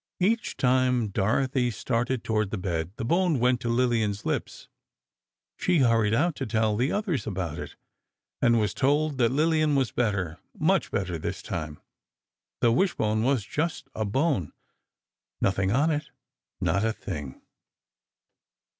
Each time Dorothy started toward the bed, the bone went to Lillian's lips. She hurried out to tell the others about it—and was told that Lillian was better—much better, this time—the wish bone was just a bone—nothing on it, not a thing.